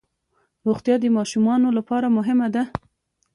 روغتیا د ماشومانو لپاره مهمه ده.